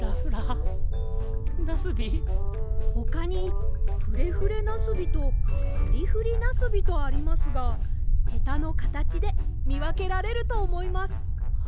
ほかに「フレフレなすび」と「フリフリなすび」とありますがヘタのかたちでみわけられるとおもいます。